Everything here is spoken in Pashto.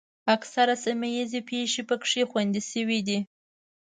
اکثره سیمه ییزې پېښې پکې خوندي شوې دي.